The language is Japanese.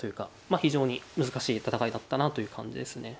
非常に難しい戦いだったなという感じですね。